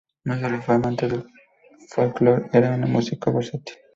No sólo fue amante del folclor, era un músico versátil.